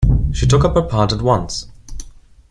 She took up her part at once.